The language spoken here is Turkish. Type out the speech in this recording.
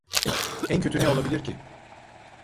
En kötü ne olabilir ki?